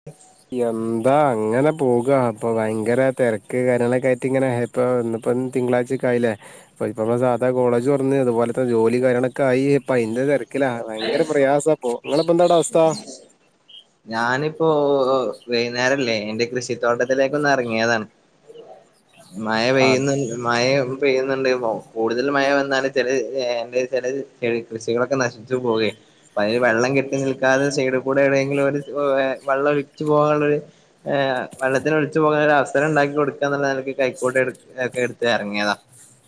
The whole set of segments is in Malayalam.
[inaudible] എന്താ അങ്ങനെ പോകാ ഇപ്പ ഭയങ്കര തെരക്ക് കാര്യങ്ങളൊക്കെ ആയിറ്റ് ഇങ്ങനെ ഇപ്പൊ ഇന്ന്പ്പൊ തിങ്കളാഴ്ച്ചക്കായിലെ ഇപ്പ ഇപ്പൊ സാധാ കോളേജ് തോർന്ന് അത്പോലെത്തെ ജോലി കാര്യങ്ങളോക്കായി ഇപ്പ അയ്ന്റെ തെര ക്കിലാ ഭയങ്കര പ്രയാസപ്പൊ ഇങ്ങള ഇപ്പ എന്താടാ അവസ്ഥ ഞാനിപ്പോ വൈന്നേരംല്ലേ എന്റെ കൃഷിത്തോട്ടത്തിലേക്ക് ഒന്ന് എറങ്ങിയതാണ് മഴ പെയ്യുന്ന്ണ്ട് മഴ പെയ്യ്ന്ന്ണ്ട്ന്നൊ കൂട്തല് മഴ വന്നാല് ചെല ഏ ചെല കൃഷികളൊക്കെ നശി ച്ച് പോകെ പ്പ അയ്ല് വെള്ളം കെട്ടി നിക്കാതെ സൈഡി കൂടെ ഇടെങ്കിലൊരു വെള്ളം ഒഴിച്ച് പോവാള്ളെര് ഏഹ് വെള്ളത്തില് ഒളിച്ച് പോക്ന്ന ഒര് അവസരം ഇണ്ടാക്കി കൊട്ക്കാന്ന്ള്ള നെലക്ക് കൈക്കോട്ട് എട്ക്കും ഇതക്കെ ഇട്ത്ത് എറങ്ങിയതാ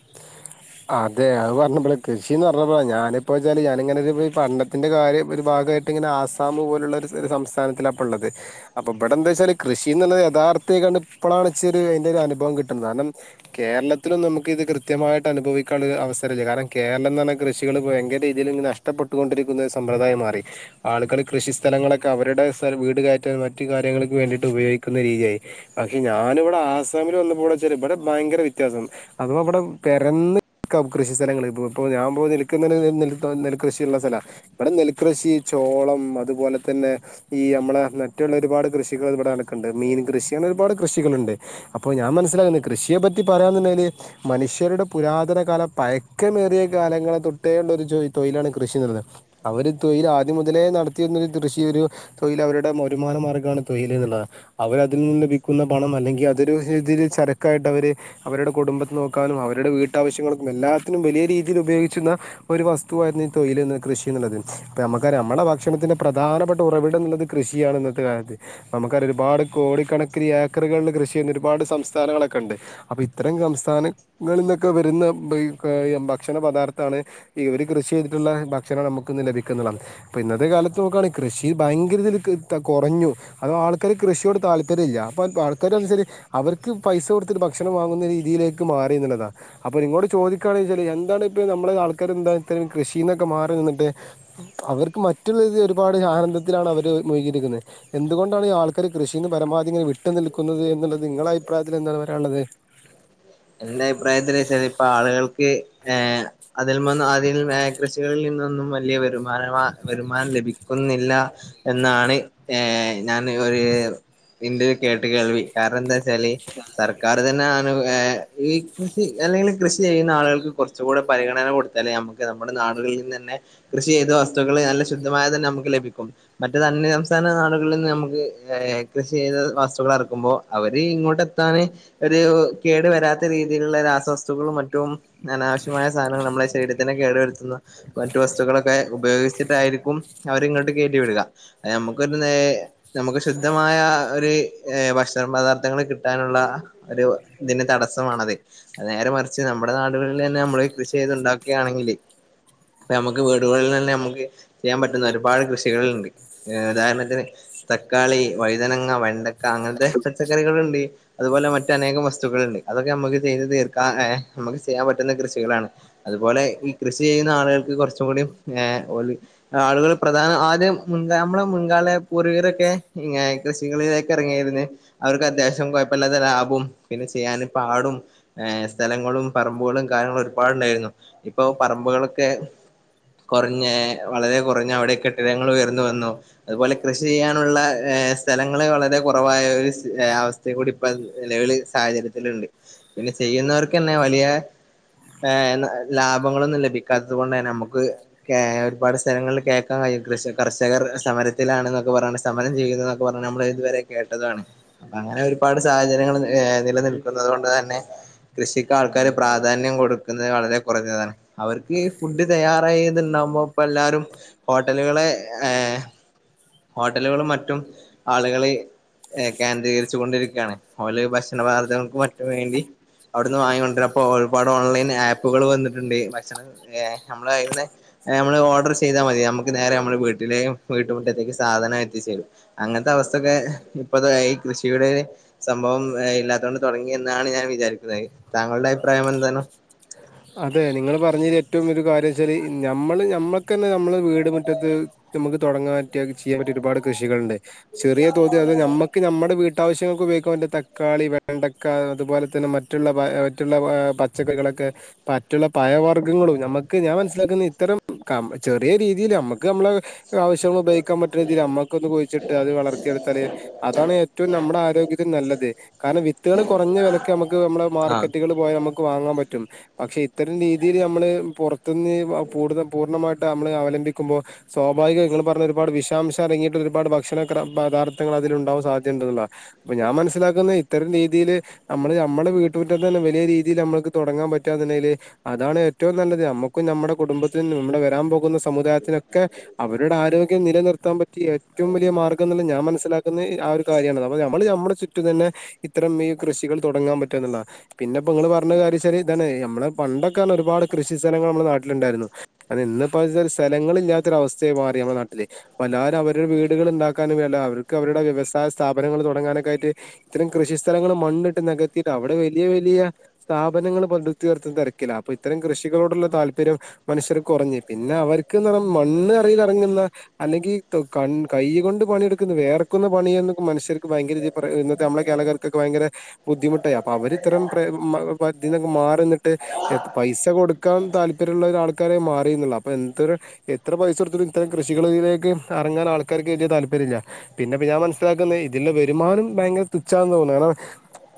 [inaudible] അതെ അഹ് പറഞ്ഞപ്പളാ കൃഷിന്ന് പറഞ്ഞപ്പളാ ഞാന്പ്പോ വെച്ചാല് ഞാനിങ്ങനെ ഒരു ഈ പണ്ടത്തിന്റെ കാര്യ ഒരു ഭാഗായി യിട്ട് ഇങ്ങനെ ആസാം പോല്ള്ള ഒര് സംസ്ഥാനത്തിലാപ്പ ഇള്ളത് അപ്പ ഇബടെ എന്താ വെച്ചാല് കൃഷിന്ന്ള്ളത് യഥാർത്ഥയ്ക്കാണ് ഇപ്പളാണ് ഇച്ചോരു അയ്ന്റെ ഒരു അന്ഭവം കിട്ട്ന്നത് കാര്ണം കേരളത്തിലൊന്നും നമ്മക്ക് ഇത് കൃ കൃത്യമായിട്ട് അനുഭവിക്കാള്ള ഒരു അവസരല്ല കാര്ണം കേര്ളംന്ന്ർഞ്ഞ കൃഷികള് ഭയങ്കര രീതില് നഷ്ട്ടപ്പെ ട്ട് കൊണ്ടിരിക്കുന്ന ഒരു സമ്പ്രദായം മാറി ആളുകള് കൃഷി സ്ഥലങ്ങളൊക്കെ അവര്ടെ സ് വീട് കയറ്റാൻ മറ്റ് കാര്യങ്ങൾക്ക് വേണ്ടിട്ട് ഉപയോയ്ക്ക്ന്ന രീതിയായി പക്ഷെ ഞാന് വടെ ആസാമില് വന്നപ്പൊ ഇവടെച്ച ഇബടെ ഭയങ്കര വ്യത്യാസം അപ്പോ ഇബടെ പെരന്ന് ക്ക കൃഷി സ്ഥലങ്ങള് ഇപ്പോ ഇപ്പോ ഞാൻ പോലും നിൽക്കുന്നത് നെൽ കൃഷിയ്ള്ള സ്ഥലാ ഇബടെ നെൽകൃഷി ചോളം അത്പോലെ തന്നെ ഈ അമ്മളെ നട്ട്ള്ള ഒര്പാട് കൃഷികള് ഇബടെ നടക്ക്ണ്ട് മീൻ കൃഷി അങ്ങനെ ഒരുപാട് കൃഷികള്ണ്ട് അപ്പൊ ഞാൻ മനസ്സിലാവ്ന്ന് കൃഷിയെ പറ്റി പറയാന്ന്ണ്ടെല് മനു ഷ്യരുടെ പുരാതന കാലം പയക്കമേറിയ കാലങ്ങളെ തൊട്ടേ ഇള്ളോരു തൊയ്ലാണ് കൃഷിന്ന്ള്ളത് അവര് തൊയ്ല് ആദ്യം മുതലേ നടത്തി വെര്ന്നൊരു കൃഷി ഒരു തൊയ്ല് അവര്ടെ വര്മാന മാർഗ്ഗമാണ് തൊയ്ല് ന്ന്ള്ളത് അവരതിൽ നിന്ന് ലഭിക്കുന്ന പണം അല്ലെങ്കി അതൊരു പക്ഷേ ഇതില് ചെരക്കായിട്ട് അവര് അവരുടെ കുടുംബത്തെ നോക്കാനും അവരുടെ വീട്ടാവശ്യങ്ങൾക്കും എല്ലാത്തിനും വലിയ രീതിയില് ഉപയോഗിച്ച്ന്ന ഒരു വസ്തുവായിര്ന്നു ഈ തൊയ്ല് കൃഷി ന്ന്ള്ളത് ഇപ്പ നമ്മക്കറിയാ നമ്മടെ ഭക്ഷണത്തിന്റെ പ്രധാനപ്പെട്ട ഉറവിടംന്ന്ള്ളത് കൃഷിയാണ് ഇന്നത്തെ കാലത്ത് നമ്മക്കറിയാ ഒര്പാട് കോടിക്കണക്കിന് ഏക്കറകളിൽ കൃഷി ചിയ്യ്ന്ന ഒര്പാട് സംസ്ഥാനങ്ങളൊക്കെ ഇണ്ട് അപ്പ ഇത്തറിം സംസ്ഥാനങ്ങളിൽ ഇന്നക്കെ വര്ന്ന ഭക്ഷണ പദാർത്ഥാണ് ഇവര് കൃഷി ചെയ്തിട്ട്ള്ളെ ഭക്ഷണം നമ്മക്ക് ഇന്ന് ലഭിക്ക്ന്നതാണ് ഇപ്പ ഇന്നത്തെ കാലത്ത് നോക്കാണി കൃഷി ഭയങ്കര ഇതില് കൊറഞ്ഞു അതവാ ആൾക്കാര് കൃഷിയോട് താല്പര്യല്ല അപ്പ ആൾക്കാര് അൻസരി അവർക്ക് പൈസ കൊട്ത്തിട്ട് ഭക്ഷണം വാങ്ങുന്ന രീതിയിലേക്ക് മാറിന്ന്ള്ള താ അപ്പ നിങ്ങളോട് ചോദിക്കാണെച്ചാല് എന്താണ് ഇപ്പ നമ്മള് ആൾക്കാര് എന്താ [unintelligible] കൃഷിന്നൊക്കെ മാറി നിന്നിട്ട് അവർക്ക് മറ്റ്ള്ള ഈ ഒര്പാട് ആനന്ദത്തിലാണ് അവര് മുഴ്കി ഇരിക്കുന്നെ എന്ത്‌ കൊണ്ടാണ് ഈ ആൾക്കാര് കൃഷിന്ന് പരമാധി ഇങ്ങനെ വിട്ട് നിൽക്കുന്നത് എന്നുള്ളത് നിങ്ങളെ അഭിപ്രായത്തില് എന്താണ് പറയാള്ളത് എന്റെ അഭിപ്രായത്തില് വെച്ചാല് ഇപ്പ ആള്കൾക്ക് ഏഹ് അതിൽമ്മന്ന് അതിൽ മ്മേ കൃഷികളിൽ നിന്നൊന്നും വല്യ വരു മാന വരുമാനം ലഭിക്കുന്നില്ലാ എന്നാണ് ഏഹ് ഞാന് ഒര് ഇന്റെ ഒരു കേട്ട് കേൾവി കാര്ണം എന്താ ച്ചാല് സർക്കാറ് തന്നെ ആണ് ഏഹ് ഈ കൃഷി അല്ലെങ്കില് കൃഷി ചെയ്യുന്ന ആളുകൾക്ക് കൊറച്ചും കൂടെ പരിഗണന കൊടുത്താല് നമ്മക്ക് നമ്മുടെ നാടുകളിൽ നിന്ന് തന്നെ കൃഷി ചെയ്ത വസ്തുക്കള് നല്ല ശുദ്ധമായതന്നെ നമുക്ക് ലഭിക്കും മറ്റത് അന്യ സംസ്ഥാന നാടുകളിൽ നിന്ന് നമ്മക്ക് ഏഹ് കൃഷി ചെയ്ത വസ്തുക്കൾ എറക്കുമ്പോ അവര് ഇങ്ങോട്ട് എത്താന് ഒരു കേടു വരാ ത്ത രീതിയിലുള്ള രാസവസ്തുക്കളും മറ്റും അനാവശ്യമായ സാധനങ്ങള് നമ്മളെ ശരീരത്തിനെ കേടു വരുത്തുന്ന മറ്റു വസ്തുക്കളൊക്കെ ഉപയോഗിച്ചിട്ടായിരിക്കും അവരിങ്ങട്ട് കേറ്റി വിടുക അത് നമ്മുക്കൊരു നേ നമുക്ക് ശുദ്ധമായ ഒരു ഭക്ഷണ പദാർത്ഥങ്ങള് കിട്ടാനുള്ള ഒരു ഇതിനെ തട സമാണത് അത് നേരെ മറിച്ച് നമ്മുടെ നാടുകളിലന്നെ നമ്മള് കൃഷി ചെയ്ത്ണ്ടാക്കുകയാണെങ്കില് ഇ പ്പ നമുക്ക് വീടുകളിൽ തന്നെ നമ്മക്ക് ചെയ്യാൻ പറ്റുന്ന ഒരുപാട് കൃഷികള്ണ്ട് ഏഹ് ഉദാഹരണത്തിന് തക്കാളി വഴുതനങ്ങ വെണ്ട ക്ക അങ്ങനത്തെ പച്ചക്കറികളുണ്ട് അതുപോലെ മറ്റ് അനേകം വസ്തുക്കള്ണ്ട് അതൊക്കെ നമുക്ക് ചെയ്ത് തീർക്കാൻ ഏഹ് നമുക്ക് ചെയ്യാൻ പറ്റുന്ന കൃഷികളാണ് അതുപോലെ ഈ കൃഷി ചെയ്യുന്ന ആളുകൾക്ക് കൊറച്ചും കൂടി ഏഹ് ഓല് ആളുകള് പ്രധാന ആദ്യം മുൻഗാ നമ്മളെ മുൻകാല പൂർവികരൊക്കെ ഇങ്ങനെ കൃഷികളിലേക്ക് എറങ്ങിയിരുന്നു അവർക്ക് അത്യാവശ്യം കൊഴപ്പല്ലാത്ത ലാഭവും പിന്നെ ചെയ്യാന് പാടും ഏഹ് സ്ഥലങ്ങളും പറമ്പുകളും കാര്യങ്ങളും ഒരുപാടുണ്ടായിരുന്നു ഇപ്പൊ പറമ്പുകളൊക്കെ കൊറഞ്ഞ് വളരെ കൊറഞ്ഞ് അവിടെ കെട്ടിടങ്ങൾ ഉയർന്ന് വന്നു അതു പോലെ കൃഷി ചെയ്യാനുള്ള ഏഹ് സ്ഥലങ്ങള് വളരെ കൊറവായ ഒരു സ് അവസ് സ്ഥ കൂടി ഇപ്പ നിലവില് സാഹചര്യത്തിലുണ്ട് പിന്നെ ചെയ്യുന്നവർക്ക് തന്നെ വലിയ ഏഹ് ലാഭങ്ങളൊന്നും ലഭിക്കാത്തത് കൊണ്ട് തന്നെ നമ്മക്ക് കേ ഒരുപാട് സ്ഥലങ്ങളിൽ കേക്കാൻ കഴിയും കൃഷി കർഷകർ സമരത്തിലാണ്ന്നൊക്കെ പറഞ്ഞോണ്ട് സമരം ചെയ്യുന്ന് എന്നൊക്കെ പറഞ്ഞ് നമ്മള് ഇതുവരെ കേട്ടതാണ് അപ്പ അങ്ങന ഒരുപാട് സാഹചര്യങ്ങൾ നി ഏഹ് നിലനിൽ ക്കുന്നത് കൊണ്ട് തന്നെ കൃഷിക്ക് ആൾക്കാര് പ്രാധാന്യം കൊടുക്കുന്നത് വളരെ കുറഞ്ഞതാണ് അവർക്ക് ഈ ഫുഡ് തയ്യാറായത്ണ്ടാവുമ്പോ ഇപ്പ എല്ലാരും ഹോട്ടലുകളെ ഏഹ് ഹോട്ടലുകളും മറ്റും ആളുകള് ഏഹ് കേന്ദ്രീകരിച്ചു കൊണ്ടിരിക്കുകയാണ് ഓല് ഭക്ഷണ പദാർതഥങ്ങൾക്ക് മറ്റും വേണ്ടി അവിടെന്ന് വാങ്ങിക്കൊണ്ട് വരാ അപ്പോ ഒരുപാട് ഓൺലൈൻ ആപ്പുകള് വന്നിട്ടുണ്ട് ഭക്ഷണം ഏഹ് നമ്മള് അതിന്ന് ഏഹ് നമ്മള് ഓർഡർ ചെയ്താൽ മതി നമ്മുക്ക് നേരെ നമ്മള് വീട്ടിലേയും വീട്ട് മുറ്റത്തേക്ക് സാധനം എത്തിച്ച് തരും അങ്ങനത്തെ അവസ്ഥൊക്കെ ഇപ്പത്തെ ഈ കൃഷിയുടെ സംഭവം ഇല്ലാത്തൊണ്ട് തൊടങ്ങി എന്നാണ് ഞാൻ വിചാരിക്കുന്നത് താങ്കളുടെ അഭിപ്രായം എന്താണ് അതെ നിങ്ങള് പറഞ്ഞേല് ഏറ്റവും ഒരു കാര്യം വെച്ചാല് നമ്മള് നമ്മക്കന്നേ നമ്മളെ വീട് മുറ്റത്ത് നമ്മക്ക് തൊടങ്ങാൻ പറ്റിയ ചെയ്യാൻ പറ്റിയ ഒരുപാട് കൃഷികളുണ്ട് ചെറിയ തോതിൽ അത് നമ്മക്ക് നമ്മടെ വീ ട്ടാവശ്യങ്ങൾക്ക് ഉപയോഗിക്കാൻ പറ്റിയ തക്കാളി വെണ്ടക്ക അതുപോലെ തന്നെ മറ്റുള്ള മറ്റുള്ള ഏഹ് പച്ചക്കറികളൊക്കെ മറ്റുള്ള പഴ വർഗങ്ങളും നമ്മക്ക് ഞാൻ മനസ്സിലാക്കുന്ന ഇത്തരം ക ചെറിയ രീതീല് നമ്മക്ക് നമ്മളെ ആവശ്യങ്ങൾ ഉപയോഗിക്കാൻ പറ്റണ രീതില് നമ്മക്കൊന്ന് പോയി ചിട്ടയാതി വളർത്തി എടുത്താല് അതാണ് ഏറ്റവും നമ്മടാരോഗ്യത്തിന് നല്ലത് കാരണം വിത്ത്കള് കൊറഞ്ഞ വെലക്ക് അമ്മക്ക് അമ്മളെ മാർക്കറ്റുകളും പോയാ അമ്മക്ക് വാങ്ങാൻ പറ്റും പക്ഷെ ഇത്തരം രീതിയില് നമ്മള് പൊറത്ത്ന്ന് വാ പൂട്ത പൂർണമാ ട്ട അമ്മള് അവലംമ്പിക്കുമ്പോ സ്വാഭാവികാ ഇങ്ങള് പർഞ്ഞൊരുപാട് വിഷാംശം അടങ്ങിയിട്ടുള്ളൊരുപാട് ഭക്ഷണ ക്ര പദാർത്ഥങ്ങളതിലുണ്ടാവാൻ സാധ്യത ണ്ട്ന്ന്ള്ളാ അപ്പൊ ഞാൻ മൻസ്സിലാക്കുന്ന ഇത്തരം രീതിയില് അമ്മള് അമ്മളെ വീട്ട്മുറ്റത്തെന്നെ വലിയ രീതിയിലമ്മക്ക് തൊടങ്ങാൻ പ റ്റാന്ന്ണ്ടെങ്കില് അതാണ് ഏറ്റവും നല്ലത് അമ്മക്കും നമ്മടെ കുടുംബത്തിനും നമ്മടെ വരാൻ പോകുന്ന സമുദാ യത്തിനൊക്കെ അവരുടെ ആരോഗ്യം നിലനിർത്താൻ പറ്റിയ ഏറ്റവും വലിയ മാർഗ്ഗം ന്ന്ള്ളെ ഞാൻ മൻസ്സിലാ ക്ക്ന്ന് ആ ഒരു കാര്യാണ്. അപ്പൊ നമ്മള് നമ്മളെ ചുറ്റും തെന്നെ ഇത്തരം ഈ കൃഷികൾ തൊടങ്ങാൻ പറ്റും ന്ന്ള്ളാ. പിന്നെ പ്പോ ഇങ്ങള് പർഞ്ഞ കാര്യച്ചാല് ഇതാണ് നമ്മളെ പണ്ടൊക്കർഞ്ഞാ ഒരുപാട് കൃഷി സ്ഥലങ്ങള് നമ്മളെ നാട്ടില്ണ്ടായിരുന്നു. അത് ഇന്ന്പ്പൊ അതിനൊരു സ്ഥലങ്ങളില്ലാത്തൊരവസ്ഥയായി മാറി നമ്മളെ നാട്ടില് പ്പല്ലാരവരുടെ വീടുകള്ണ്ടാക്കാനും വേണ്ട അവർക്ക് അവരുടെ വ്യവസായ സ്ഥാപനങ്ങള് തൊടങ്ങാനൊക്കായിട്ട് ഇത്രീം കൃഷി സ്ഥലങ്ങള് മണ്ണ്ട്ട് നെകത്തിയിട്ട് അവടെ വലിയ വലിയ സ്ഥാപനങ്ങള് പടുത്തുയർത്തുന്ന തെരക്കില അപ്പൊ ഇത്തരം കൃഷികളോടുള്ള താല്പര്യം മനുഷ്യർക്ക് കൊറഞ്ഞ് പിന്നെ അവർക്ക്ന്നർഞ്ഞ മണ്ണ് അറിലെറങ്ങ്ന്ന അല്ലെങ്കി തൊ കൺ കൈ കൊണ്ട് പണിയെട്ക്ക്ന്ന വേർക്ക്ന്ന പണിയന്നൊക്കെ മനുഷ്യർക്ക് ഭയങ്കരത് കൊറേ ഇന്നത്തെ അമ്മളെ കേളകാർക്കൊക്കെ വയങ്കര ബുദ്ധിമുട്ടായി അപ്പൊ അവരിത്തരം പ്രേ മ പതിനെ മാറിന്ന്ട്ട് എത് പൈസ കൊടുക്കാൻ താല്പര്യള്ളൊരാൾക്കാരെ മാറീന്ന്ള്ള അപ്പൊ എന്തൊരു എത്ര പൈസൊട്ത്ത്ട്ടും ഇത്തരം കൃഷികളിലേക്ക് എറങ്ങാ ആൾക്കാക്ക് വെല്ല്യെ താല്പര്യല്ല. പിന്നെപ്പൊ ഞാൻ മൻസ്സിലാക്കുന്നത് ഇതിന്റെ വരുമാനും ഭയങ്കര തുച്ഛാന്ന് തോന്നുന്നു കാരണം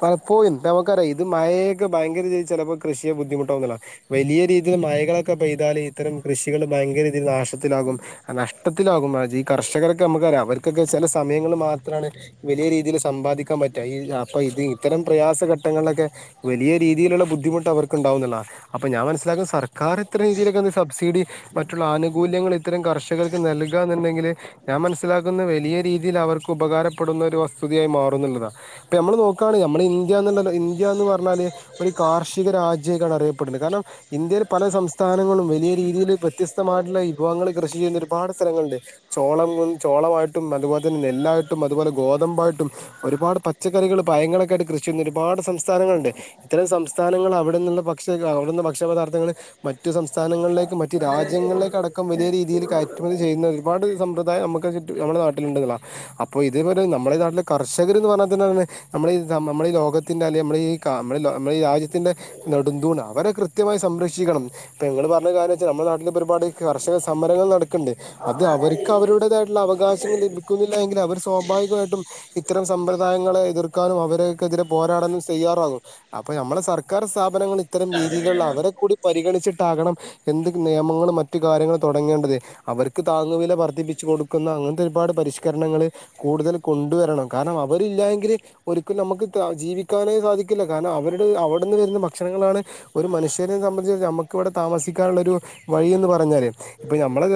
പലപ്പോഴും നമുക്കറിയാം ഇത് മഴയൊക്കെ ഭയങ്കരതി ചെലപ്പോ കൃഷിയെ ബുദ്ധിമുട്ടാവുന്ള്ള. വലിയ രീതിയിൽ മഴകളൊക്കെ പെയ്താല് ഇത്തരം കൃഷികൾ ഭയങ്കര രീതിയില് നാശത്തിലാകും. ആഹ് നഷ്ടത്തിലാകും അതായത് ഈ കർഷകരൊക്കെ നമക്കറിയാം അവർക്കൊക്കെ ചെല സമയങ്ങളിൽ മാത്രാണ് വലിയ രീതിയിൽ സമ്പാദിക്കാൻ പറ്റാ. ഈ അപ്പ ഇത് ഇത്തരം പ്രയാസഘട്ടങ്ങളിലൊക്കെ വലിയ രീതിയില്ള്ള ബുദ്ധിമുട്ട് അവർക്ക്ണ്ടാവുന്ന്ള്ളാ അപ്പൊ ഞാൻ മനസിലാക്കുന്നെ സർക്കർ ത്രേ രീതിയിലൊക്കൊന്ന് സബ്സിഡി മറ്റുള്ള ആനുകൂല്യങ്ങൾ ഇത്തരം കർഷകർക്ക് നൽക്കാന്ന്ണ്ടെങ്കില് ഞാൻ മനസ്സിലാക്കുന്ന വലിയ രീതിയിലവർക്ക് ഉപകാരപ്പെടുന്നൊരു വസ്തുതിയായി മാറുന്ന്ള്ളതാ. ഇപ്പോ നമ്മള് നോക്കാണ് നമ്മളെ ഇന്ത്യാന്ന്ള്ളത് ഇന്ത്യന്ന് പർഞ്ഞാല് ഒരു കാർഷിക രാജ്യയ്ക്കാണ് അറിയപ്പെടുന്നത് കാരണം ഇന്ത്യയില് പല സംസ്ഥാനങ്ങളും വലിയ രീതിയില് വ്യത്യസ്തമായിട്ടുള്ള വിഭവങ്ങൾ കൃഷി ചെയ്യുന്ന ഒരുപാട് സ്ഥലങ്ങള്ണ്ട്. ചോള [unintelligible] ചോളമായിട്ടും അത്പോലെ തെന്നെ നെല്ലായിട്ടും അത്പോലെ ഗോതമ്പായിട്ടും ഒരുപാട് പച്ചക്കറികൾ പയങ്ങളൊക്കായിട്ട് കൃഷി ചെയ്യുന്ന ഒരുപാട് സംസ്ഥാനങ്ങള്ണ്ട്. ഇത്തരം സംസ്ഥാനങ്ങൾ അവടെന്ന്ള്ള പക്ഷ അവ്ടുന്ന് ഭക്ഷ്യ പദാർത്ഥങ്ങള് മറ്റു സംസ്ഥാനങ്ങളിലേക്കും മ റ്റു രാജ്യങ്ങളിലേക്കട ക്കം വലിയ രീതിയില് കയറ്റുമതി ചെയ്യുന്ന ഒരുപാട് സമ്പ്രദായം അമക്ക് കിട്ട് അമ്മളെ നാട്ടിലുണ്ടെന്ന്ള്ള. അപ്പൊ ഇതേപോലെ നമ്മളെ നാട്ടിലെ കർഷകര് ന്ന് പർഞ്ഞാ തന്നെ [unintelligible] നമ്മള് [unintelligible] നമ്മള് ഈ ലോകത്തിന്റെ അല്ലെങ്കി അമ്മള് ഈ ക നമ്മ ലോ അമ്മള് ഈ രാജ്യത്തിന്റെ നെടുന്തൂണാ അവരെ കൃത്യമായി സംരക്ഷിക്കണം. ഇപ്പൊ ഇങ്ങള് പർഞ്ഞ കാര്യച്ചാ നമ്മളെ നാട്ടിലിപ്പൊരുപാട് കർഷക സമരങ്ങൾ നടക്ക്ണ്ട്. അത് അവർ ക്കവരുടേതായിട്ട്ള്ള അവകാശങ്ങൾ ലഭിക്കുന്നില്ല എങ്കിൽ അവർ സ്വാഭാവികമായിട്ടും ഇത്തരം സമ്പ്രദായങ്ങളെ എതിർക്കാനും അവരെയൊക്കെ എതിരെ പോരാടാനും തയ്യാറാകും. അപ്പൊ നമ്മളെ സർക്കാർ സ്ഥാപനങ്ങൾ ഇത്തരം രീതികൾ ആഹ് അവരെ കൂടി പരിഗണിച്ചിട്ടാകണം എന്ത് നിയമങ്ങളും മറ്റു കാര്യങ്ങൾ തൊടങ്ങേണ്ടത്. അവർക്ക് താങ്ങുവില വർദ്ധിപ്പിച്ച് കൊടുക്കുന്ന അങ്ങൻത്തൊരുപാട് പരിഷ്കരണങ്ങള് കൂടുതൽ കൊണ്ടുവരണം കാരണം അവരില്ലായെങ്കില് ഒരിക്കലും നമക്ക് ത്യാ ജീവിക്കാനേ സാധി ക്കില്ല കാരണം അവരുടെ അവ്ടെന്ന് വെരുന്ന ഭക്ഷണങ്ങളാണ് ഒരു മനുഷ്യരെ സംബന്ധിച്ച് നമുക്ക് ഇവിടെ താമസിക്കാനുള്ളരു വഴിയന്ന് പറഞ്ഞാല് ഇപ്പൊ, നമ്മളെ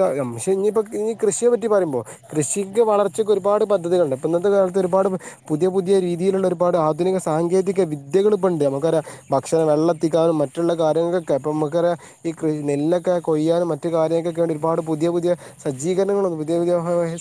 ഇനിയിപ്പോ ഇനി കൃഷിയെ പറ്റി പറയുമ്പോ കൃഷിക്ക് വളർച്ചക്ക് ഒരുപാട് പദ്ധതികളണ്ട്പ്പൊ, ഇന്നത്തെ കാലത്ത് ഒരുപാട് പുതിയ പുതിയ രീതിയിലുള്ള ഒരുപാട് ആധുനിക സാങ്കേതിക വിദ്യകൾ ഇപ്പ ഉണ്ട്. നമുക്ക് അറിയ ഭക്ഷണം, വെള്ളെത്തിക്കാനും, മറ്റുള്ള കാര്യങ്ങൾൊക്കെ ഇപ്പമ്മക്ക്റിയ ഈ, നെല്ലൊക്കെ കൊയ്യാനും മറ്റു കാര്യങ്ങളക്കൊക്കെ ഒരു പാട് പുതിയ പുതിയ സജ്ജീകരണങ്ങളും പുതിയ പുതിയ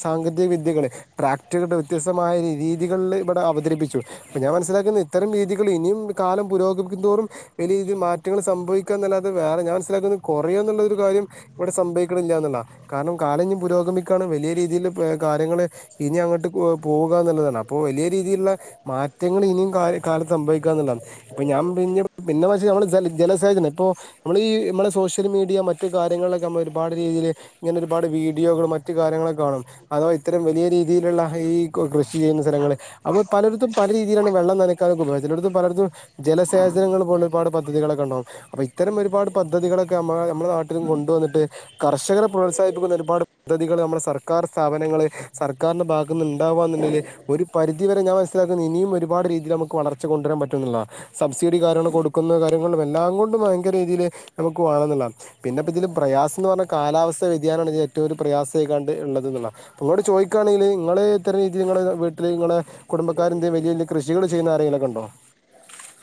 സാങ്കേതിക വിദ്യകൾ ട്രാക്ടറുകളുടെ വ്യത്യസ്തമായ രീതികളിൽ ഇവിടെ അവതരിപ്പിച്ചു. അപ്പ ഞാൻ മനസ്സിലാക്കുന്ന ഇത്തരം രീതി രീതിയിലും കാലം പുരോഗമിക്കതോറും വലിയരീതിയിൽ മാറ്റങ്ങൾ സംഭവിക്ക എന്നല്ലാതെ, വേറെ ഞാൻ മനസിലാക്കുന്നു കുറയോന്നുള്ളരു കാര്യം ഇവിടെ സംഭവിക്കണില്ല എന്നുള്ളതാണ്. കാരണം കാലംഇഞ്ഞുപുരോഗമിക്കാണ് വലിയ രീതിയിൽ കാര്യങ്ങൾ ഇനി അങ്ങോട്ട് പോകുക എന്നുള്ളതാണ്. അപ്പോവലിയ രീതിയിലുള്ള മാറ്റങ്ങൾ ഇനിയും കാലത്ത് സംഭവിക്ക എന്നുള്ളതാ. ഇപ്പൊ ഞാൻ പിന്നെ പിന്നെ വെച്ച നമ്മള് ജലസേചനം ഇപ്പൊ നമ്മള് ഈ, നമ്മളുടെ സോഷ്യൽ മീഡിയ, മറ്റു കാര്യങ്ങളിലൊക്കെ നമ്മള് ഒരുപാട് രീതിയില് ഇങ്ങനെ ഒരുപാട് വീഡിയോകൾ മറ്റു കാര്യങ്ങളൊക്കെ കാണും. അതോ, ഇത്തരം വലിയ രീതിയിലുള്ള ഈ കൃഷി ചെയ്യുന്ന സ്ഥലങ്ങള് അപ്പൊ പലടത്തും പല രീയിലാണ് വെള്ളം നനക്കാനൊക്കെ ഉപയോഗിക്കുന്ന ഇതിടത്തും പലടത്തും ജലസേചനങ്ങൾ, പോലെ ഒരുപാട് പദ്ധതികൊക്കെ ഉണ്ടാവും. അപ്പൊ ഈ ഇത്തരം ഒരുപാട് പദ്ധതികളൊക്കെ നമ്മ നമ്മുടെ നാട്ടിലും കൊണ്ടുവന്നിട്ട് കർഷകരെ പ്രോത്സാഹിപ്പിക്കുന്ന ഒരുപാട് പദ്ധതികള് നമ്മുടെ സർക്കാർ സ്ഥാപനങ്ങള് സർക്കാരിന്റെ ഭാഗത്ത് നിന്ന് ഉണ്ടകുവാണെങ്കിൽ, ഒരു പരിധി വരെ ഞാൻ മനുസിലാക്കുന്നു ഇനിയും ഒരുപാട് രീതിൽ നമുക്ക് വളർച്ച വളർച്ച കൊണ്ടുവരാൻ പറ്റുന്നുള്ളതാണ്. സബ്സിഡി കാരൃങ്ങൾ കൊടുക്കുന്ന കാര്യങ്ങൾ കൊണ്ട് വ്യക്ത എല്ലാം കൊണ്ടും ഭയങ്കര രീതിൽ നമുക്ക് വേണം എന്നുള്ളാതാണ്. പിന്നെപ്പൊ ഇതില് പ്രയാസം എന്ന് പറഞ്ഞാ കാലാവസ്ഥ വ്യതിയാനാണ്, ഇത് ഏറ്റവും ഒരു പ്രയാസം കണ്ട് ഉള്ളത് എന്നുള്ളതാണ്. അപ്പൊ ചോദിക്കുകയാണെങ്കില്, ഇങ്ങള് എത്ര രീതിയില് നിങ്ങള വീട്ടില് ഇങ്ങളെ കുടുംബക്കാര്, വലിയ വലിയ കൃഷികൾ ചെയ്യുന്ന ആരെങ്കിലുംമൊക്കെ ഉണ്ടോ?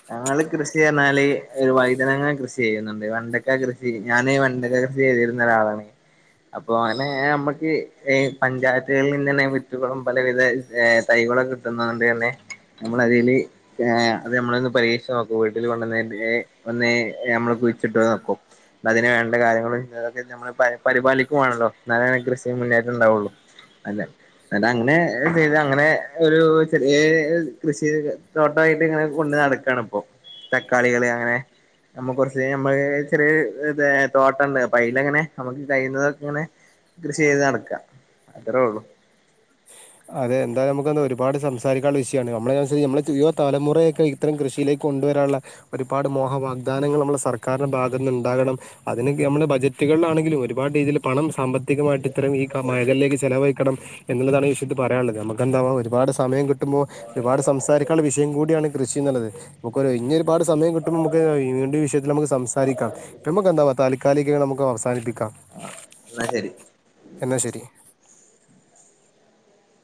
ഞങ്ങള് കൃഷി പറഞ്ഞാല് ഒരു വഴുതനങ്ങ, കൃഷി ചെയ്യുന്നുണ്ട്. വെണ്ടയ്ക്ക കൃഷി ഞാൻ വെണ്ടക്ക കൃഷി ചെയ്തിരുന്ന ഒരാളാണ്. അപ്പൊ അങ്ങനെ ഞമ്മക്ക് ഈ പഞ്ചായത്തുകളിൽ നിന്ന് തന്നെ വിത്തുകളും, പലവിധ തൈകളും കിട്ടുന്ന കൊണ്ട് തന്നെ നമ്മൾതിൽ അത് നമ്മള പരീക്ഷീച്ച് നോക്കും, വീട്ടില് വന്ന് നമ്മള് കുയിച്ചിട്ട് നോക്കും. അതിന് വേണ്ട കാര്യങ്ങളും അതൊക്കെ നമ്മൾ പരിപാലിക്കുവാണല്ലോ, എന്നാലെ കൃഷി മുന്നേട്ട് ഉണ്ടാവുള്ളു. അതെ [unintelligible] അ, അങ്ങനെ ചെയ്ത് അങ്ങനെ ഒരു ചെറിയ കൃഷി തോട്ടമായിട്ട് ഇങ്ങനെ കൊണ്ട് നടക്കും കൊണ്ട് നടക്ക ഇപ്പോ, തക്കാളികള് അങ്ങനെ നമ്മുക്ക് കുറച്ച് നമ്മൾ ചെറിയ ഇ തോട്ടംഉണ്ട്. അപ്പംഅതില് അങ്ങനെ നമ്മുക്ക് കഴിയുന്നതൊക്കെ ഇങ്ങനെ കൃഷി ചെയ്ത് നടക്ക. അത്രേ ഉള്ളു. അതെ, എന്തായും നമുക്ക് ഒരുപാട് സംസാരിക്കുള്ള വിഷയമാണ്. നമ്മളനുസരിച്ച് നമ്മളെ യുവ തലമുറയൊക്കെ ഇത്തരം കൃഷിയിലേക്ക് കൊണ്ടുവരാനുള്ള ഒരുപാട് മോഹ വാഗ്ദാനങ്ങൾ നമ്മുടെ സർക്കാരിന്റെ ഭാഗത്ത്നിന്ന് ഉണ്ടാകണം. അതിന് നമ്മള് ബജറ്റുകളിലാണെങ്കിലും, ഒരുപാട് രീതിയിൽ പണം സാമ്പത്തികമായിട്ട് ഇത്തരം ഈ മേഖലയിലേക്ക് ചെലവഴിക്കണം. എന്നുള്ളതാണ് വിഷയം. പറയാനുള്ളത്. നമുക്ക്എന്തുവാ ഒരുപാട് സമയം കിട്ടുമ്പോ ഒരുപാട് സംസാരിക്കാനുള്ള വിഷയം കൂടിയാണ് കൃഷി എന്നുള്ളത്. നമുക്ക് ഒഴിഞ്ഞ ഇനി ഒരുപാട് സമയം കിട്ടുമ്പോ നമുക്ക് വീണ്ടും ഈ വിഷയത്തിൽ നമുക്ക് സംസാരിക്കാം. നമുക്ക് എന്താവാ താൽക്കാലികമായി നമുക്ക് അവസാനിപ്പിക്കാം. എന്നാ ശരി. എന്നാ ശരി